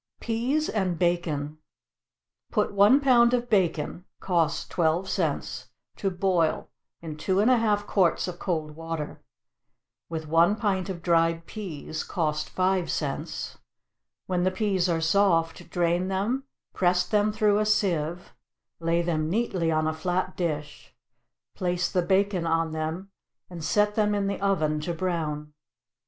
=Peas and Bacon.= Put one pound of bacon, (cost twelve cents,) to boil in two and a half quarts of cold water, with one pint of dried peas, (cost five cents;) when the peas are soft, drain them, press them through a sieve, lay them neatly on a flat dish, place the bacon on them, and set them in the oven to brown.